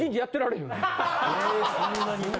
えそんなに。